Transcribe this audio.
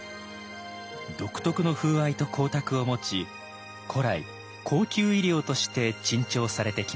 独特の風合いと光沢を持ち古来高級衣料として珍重されてきました。